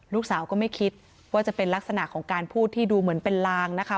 ลูกสาวก็ไม่คิดว่าจะเป็นลักษณะของการพูดที่ดูเหมือนเป็นลางนะคะ